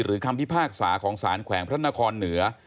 คำพิพากษาของสารแขวงพระนครเหนือ